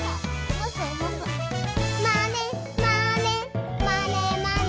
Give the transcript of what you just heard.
「まねまねまねまね」